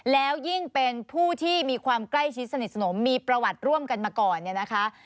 แล้วยิ่งเป็นผู้ที่มีความใกล้ชิดสนิทสนมมีประวัติร่วมกันมาก่อนเนี่ยนะคะ